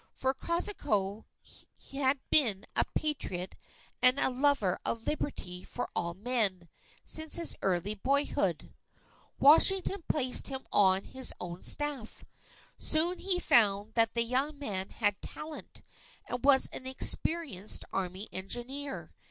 For Kosciuszko had been a Patriot and a lover of Liberty for all men, since his early boyhood. Washington placed him on his own staff. Soon he found that the young man had talent, and was an experienced army engineer.